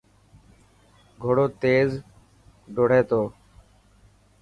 گهوڙو تيل ڊروڙي تو.